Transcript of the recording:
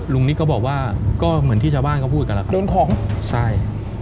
ลุงนิดก็บอกว่าก็เหมือนที่ชาวบ้านก็พูดกันแหละครับโดนของใช่